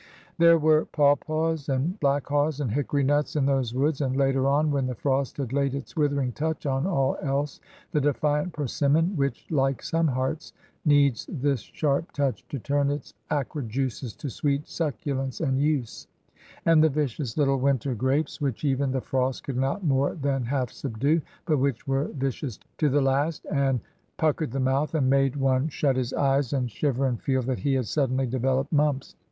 There were pawpaws and black haws and hickory nuts in those woods ; and later on, when the frost had laid its withering touch on all else, the defiant persimmon, which, like some hearts, needs this sharp touch to turn its acrid juices to sweet succulence and use; and the vicious little winter grapes, which even the frost could not more than half subdue, but which were vicious to the last, and puck ered the mouth, and made one shut his eyes and shiver IN THE SCHOOL HOUSE 6i and feel that he had suddenly developed mumps.